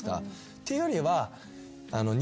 っていうよりは。